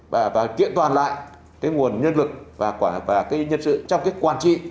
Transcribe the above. và kiện toàn lại cái nguồn nhân lực và cái nhân sự trong cái quản trị